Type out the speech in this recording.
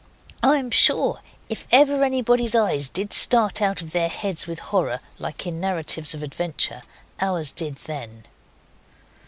I am sure if ever anybody's eyes did start out of their heads with horror, like in narratives of adventure, ours did then.